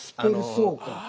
そうか。